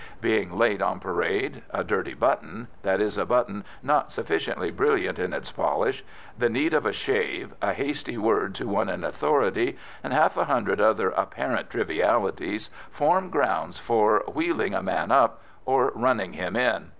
Being late on parade, a dirty button that is, a button not sufficiently brilliant in its polish the need of a shave, a hasty word to one in authority, and half a hundred other apparent trivialities, form grounds for "wheeling a man up" or "running him in."